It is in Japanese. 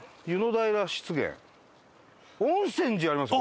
温泉寺ありますよ